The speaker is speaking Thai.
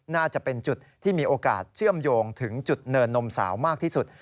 น่าจะเป็นจุดที่มีโอกาสเชื่อมโยงถึงจุดเนินนมสาวมากที่สุด